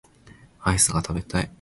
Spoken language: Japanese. アイスが食べたい